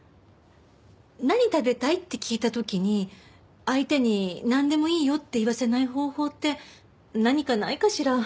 何食べたい？って聞いた時に相手になんでもいいよって言わせない方法って何かないかしら？